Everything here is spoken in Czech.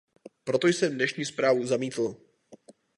Proto jsem dnešní zprávu zamítl.